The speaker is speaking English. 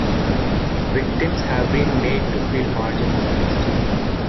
Victims have been made to feel marginalised.